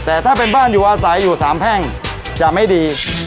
แต่ถ้าเป็นบ้านอยู่อาศัยอยู่สามแพ่งจะไม่ดี